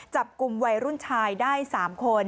จับกลุ่มวัยรุ่นชายได้๓คน